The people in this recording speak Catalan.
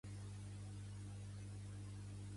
Marxà per voluntat pròpia d'Anglaterra?